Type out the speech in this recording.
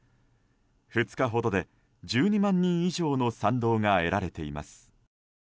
２日ほどで１２万人以上の賛同が得られています。